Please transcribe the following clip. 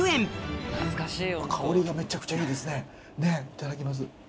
ねっいただきます。